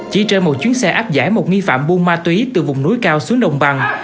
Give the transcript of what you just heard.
chỉ trên một chuyến xe áp giải một nghi phạm buôn ma túy từ vùng núi cao xuống đồng bằng